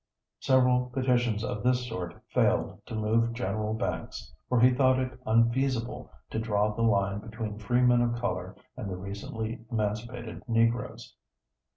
Several petitions of this sort failed to move General Banks, for he thought it unfeasible to draw the line between free men of color and the recently emancipated Negroes.